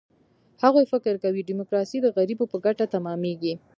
هغوی فکر کوي، ډیموکراسي د غریبو په ګټه تمامېږي.